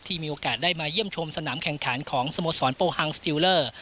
มีโอกาสได้มาเยี่ยมชมสนามแข่งขันของสโมสรโปฮังสติลเลอร์